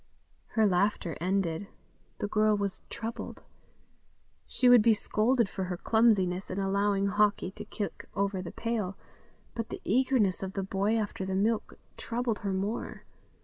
Her laughter ended, the girl was troubled: she would be scolded for her clumsiness in allowing Hawkie to kick over the pail, but the eagerness of the boy after the milk troubled her more.